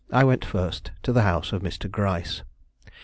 I went first to the house of Mr. Gryce.